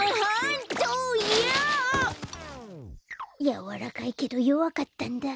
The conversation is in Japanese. やわらかいけどよわかったんだ。